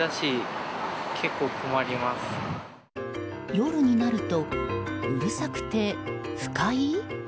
夜になるとうるさくて不快？